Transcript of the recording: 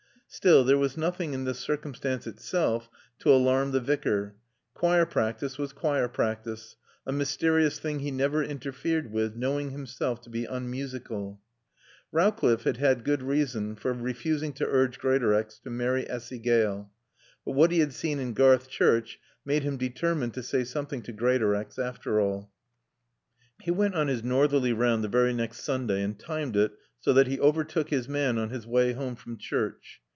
Still, there was nothing in this circumstance itself to alarm the Vicar. Choir practice was choir practice, a mysterious thing he never interfered with, knowing himself to be unmusical. Rowcliffe had had good reason for refusing to urge Greatorex to marry Essy Gale. But what he had seen in Garth church made him determined to say something to Greatorex, after all. He went on his northerly round the very next Sunday and timed it so that he overtook his man on his way home from church.